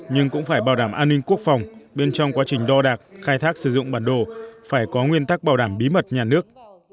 nhưng cũng phải bảo đảm an ninh quốc phòng bên trong quá trình đo đạc khai thác sử dụng bản đồ phải có nguyên tắc bảo đảm bí mật nhà nước